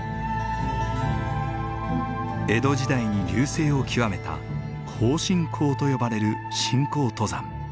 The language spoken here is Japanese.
江戸時代に隆盛を極めた庚申講と呼ばれる信仰登山。